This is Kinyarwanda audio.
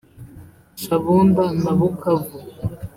Shabunda na Bukavu